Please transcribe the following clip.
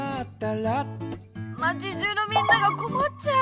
町じゅうのみんながこまっちゃう。